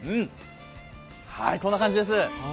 こんな感じです。